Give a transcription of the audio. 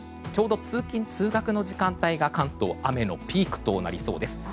ちょうど通勤・通学の時間帯が関東は雨のピークとなりそうです。